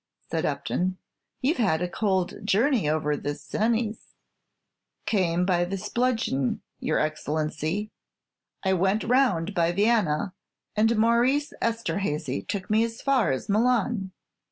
said Upton. "You've had a cold journey over the Cenis." "Came by the Splugen, your Excellency. I went round by Vienna, and Maurice Esterhazy took me as far as Milan."